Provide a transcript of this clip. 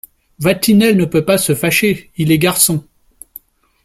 Vatinelle ne peut pas se fâcher… il est garçon !…